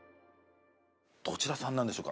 どちら産なんでしょうか？